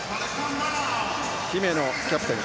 姫野キャプテン